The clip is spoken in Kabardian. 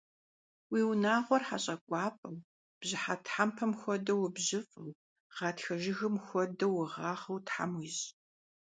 Уи унагъуэр хьэщӏэ кӏуапӏэу, бжьыхьэ тхьэмпэм хуэдэу убжьыфӏэу, гъатхэ жыгым хуэдэу угъагъэу Тхьэм уищӏ!